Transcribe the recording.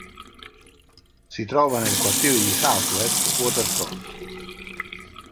Si trova nel quartiere di Southwest Waterfront.